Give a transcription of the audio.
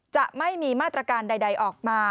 จะไม่มีมาตรการใดออกมา